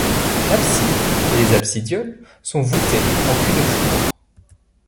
L'abside et les absidioles sont voûtées en cul-de-four.